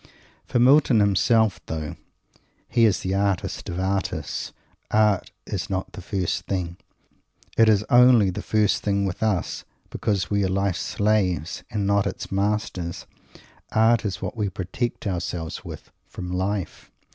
For Milton himself, though he is the artist of artists, art is not the first thing. It is only the first thing with us because we are life's slaves, and not its masters. Art is what we protect ourselves with from life.